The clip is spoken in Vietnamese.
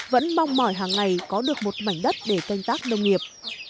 vẫn mong mỏi hàng ngày có được một mảnh đất để canh tác nông nghiệp